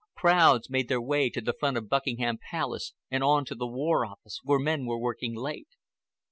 Crowds made their way to the front of Buckingham Palace and on to the War Office, where men were working late.